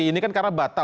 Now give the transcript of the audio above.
ini kan karena